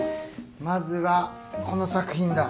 まずはこの作品だ。